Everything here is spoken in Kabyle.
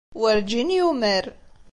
Werǧin yumar.